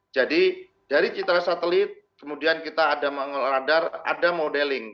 jadi dari citra satelit kemudian kita ada ngeladar ada modeling